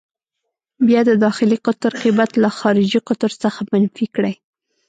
بیا د داخلي قطر قېمت له خارجي قطر څخه منفي کړئ.